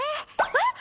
えっ！？